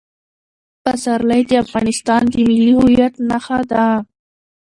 پسرلی د افغانستان د ملي هویت نښه ده.